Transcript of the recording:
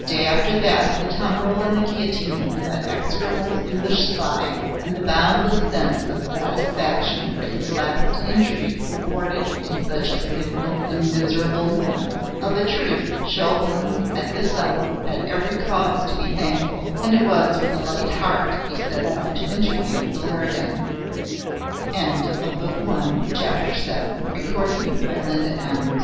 The day after that, the tumbril and the guillotine for that execrable English spy, and the boundless sense of satisfaction that his last intrigue had aborted in such a signal and miserable manner. Of a truth Chauvelin at this hour had every cause to be thankful, and it was with a light heart that he set out to interview the Leridans. VIII The Leridans, anxious, obsequious, terrified, were